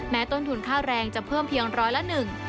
ต้นทุนค่าแรงจะเพิ่มเพียงร้อยละหนึ่ง